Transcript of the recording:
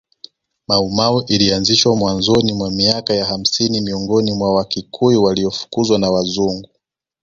Mau Mau ilianzishwa mwanzoni mwa miaka ya hamsini miongoni mwa Wakikuyu waliofukuzwa na Wazungu